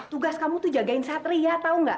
tugas kamu tuh jagain satria tahu nggak